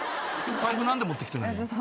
財布何で持ってきてないの？